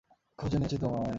খুঁজে নিয়েছি তোমায়।